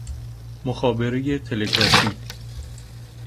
مخابرۀ تلگرافی